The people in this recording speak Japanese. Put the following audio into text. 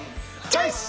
チョイス！